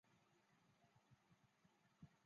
她还是第十二届上海市人大代表。